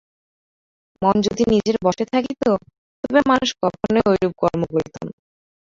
মন যদি নিজের বশে থাকিত, তবে মানুষ কখনই ঐরূপ কর্ম করিত না।